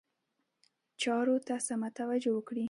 چارو ته سمه توجه وکړي.